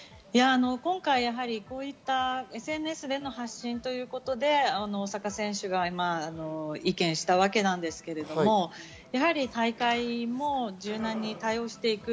こういったＳＮＳでの発信ということで大坂選手が意見したわけですけれども、大会も柔軟に対応していく。